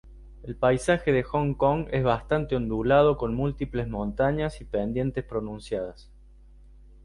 El paisaje de Hong Kong es bastante ondulado con múltiples montañas y pendientes pronunciadas.